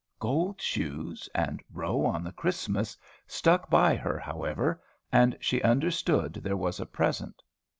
"Gold shoes," and "row at the Christmas," stuck by her, however; and she understood there was a present.